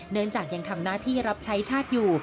เนื่องจากยังทำหน้าที่รับใช้ชาติอยู่